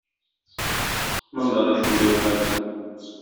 Монда да шундый ук хәл.